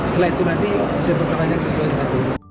selain itu nanti bisa berteman yang berikutnya